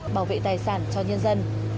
bảo vệ tài sản cho nhân dân